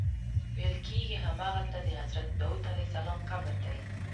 ویل کېږي همغلته د حضرت داود علیه السلام قبر دی.